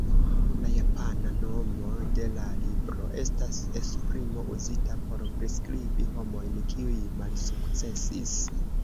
La japana nomo de la libro estas esprimo uzita por priskribi homojn kiuj malsukcesis.